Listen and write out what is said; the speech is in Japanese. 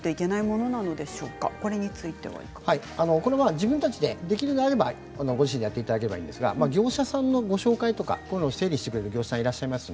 自分たちで、できるのであればご自身でやっていただければいいんですが業者さんのご紹介とか整理してくれる業者さんがいらっしゃいます。